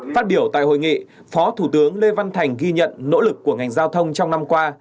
phát biểu tại hội nghị phó thủ tướng lê văn thành ghi nhận nỗ lực của ngành giao thông trong năm qua